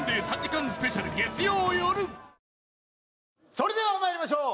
それでは参りましょう！